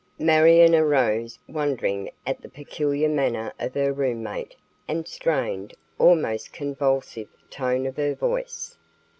Marion arose, wondering at the peculiar manner of her roommate and the strained, almost convulsive, tone of her voice.